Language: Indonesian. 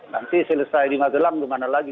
nanti selesai di magelang gimana lagi